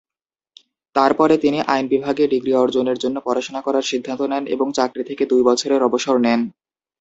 তারপরে তিনি আইন বিভাগে ডিগ্রি অর্জনের জন্য পড়াশোনা করার সিদ্ধান্ত নেন এবং চাকরি থেকে দুই বছরের অবসর নেন।